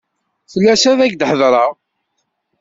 Fell-as ad ak-hedreɣ.